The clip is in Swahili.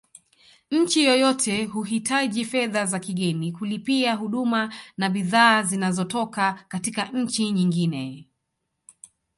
Nchi yoyote huhitaji fedha za kigeni kulipia huduma na bidhaa zinazotoka katika nchi nyingine